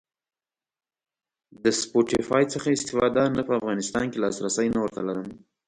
د سپوټیفای څخه استفاده؟ نه په افغانستان کی لاسرسی نه ور ته لرم